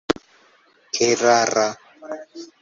erara